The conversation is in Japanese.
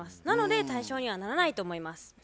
なので対象にはならないと思います。